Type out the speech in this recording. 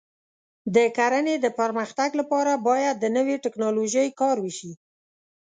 د کرنې د پرمختګ لپاره باید د نوې ټکنالوژۍ کار وشي.